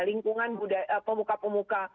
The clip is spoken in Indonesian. lingkungan budaya pemuka pemuka